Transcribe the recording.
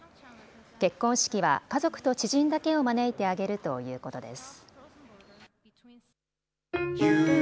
結婚式は家族と知人だけを招いて挙げるということです。